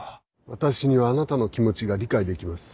私にはあなたの気持ちが理解できます。